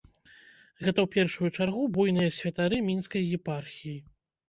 Гэта ў першую чаргу буйныя святары мінскай епархіі.